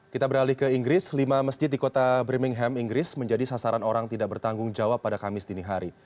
kita beralih ke inggris lima masjid di kota brimingham inggris menjadi sasaran orang tidak bertanggung jawab pada kamis dinihari